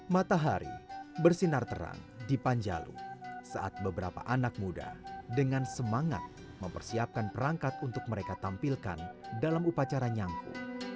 matahari bersinar terang di panjalu saat beberapa anak muda dengan semangat mempersiapkan perangkat untuk mereka tampilkan dalam upacara nyangku